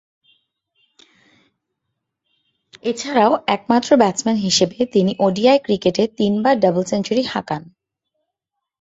এছাড়াও একমাত্র ব্যাটসম্যান হিসেবে তিনি ওডিআই ক্রিকেটে তিনবার ডাবল সেঞ্চুরি হাঁকান।